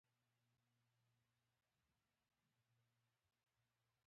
افغانستان د لعل د ساتنې لپاره قوانین لري.